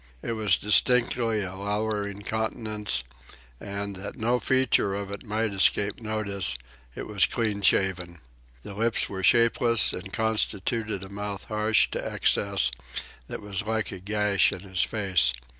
It was distinctly a lowering countenance, and, that no feature of it might escape notice, it was clean shaven. The lips were shapeless and constituted a mouth harsh to excess, that was like a gash in his face.